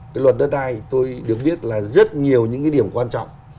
cái luật đất đai tôi được biết là rất nhiều những cái điểm quan trọng